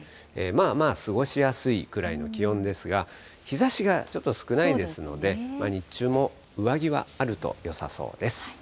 まあまあ過ごしやすいくらいの気温ですが、日ざしがちょっと少ないですので、日中も上着はあるとよさそうです。